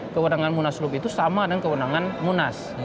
kewenangan munaslup itu sama dengan kewenangan munas